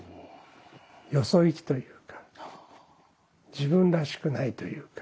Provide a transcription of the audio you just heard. よそ行きというか自分らしくないというか。